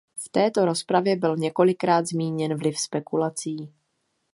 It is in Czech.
V této rozpravě byl několikrát zmíněn vliv spekulací.